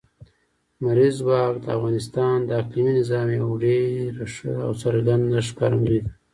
لمریز ځواک د افغانستان د اقلیمي نظام یوه ډېره ښه او څرګنده ښکارندوی ده.